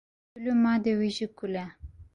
dil û madê wî jî kul e.